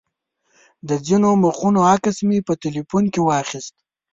د ځینو مخونو عکس مې په تیلفون کې واخیست.